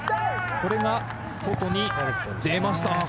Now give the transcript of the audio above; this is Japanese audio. これが外に出ました。